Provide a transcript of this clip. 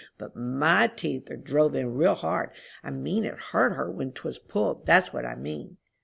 But my teeth are drove in real hard. I mean it hurt her when 'twas pulled, that's what I mean.